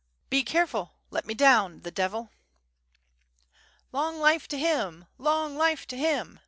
... Be careful! let me down! The Devil! ..." "Long life to him! long life to him!"